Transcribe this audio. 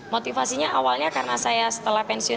motivasinya awalnya karena saya setelah pensiun